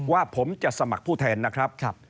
ว่าผมจะสมัครผู้แทนนะครับ